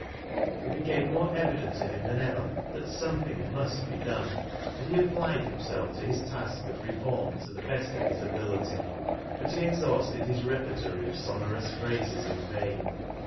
It became more evident to him than ever that something must be done, and he applied himself to his task of reform to the best of his ability. But he exhausted his reper tory of sonorous phrases in vain.